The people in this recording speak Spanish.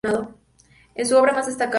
Es su obra más destacada.